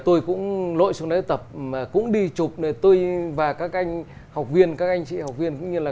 tôi cũng lội xuống đấy tập cũng đi chụp tôi và các anh học viên các anh chị học viên cũng như là